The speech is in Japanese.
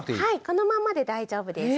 このままで大丈夫です。